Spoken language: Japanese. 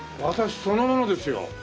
私そのものですよ。